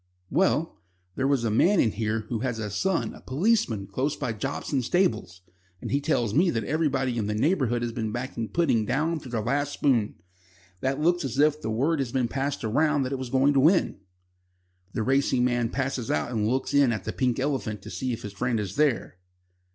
"Well, there was a man in here who has a son a policeman close by Jobson's stables, and he tells me that everybody in the neighbourhood has been backing Pudding down to their last spoon. That looks as if word had been passed round that it was going to win." The racing man passes out and looks in at the "Pink Elephant" to see if his friend is there.